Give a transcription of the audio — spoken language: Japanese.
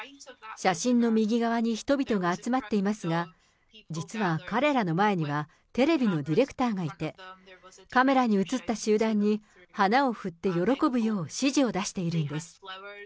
写真の右側に人々が集まっていますが、実は、彼らの前にはテレビのディレクターがいて、カメラに映った集団に花を振って喜ぶよう、指示を出しているんです。